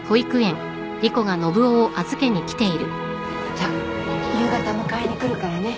じゃ夕方迎えに来るからね。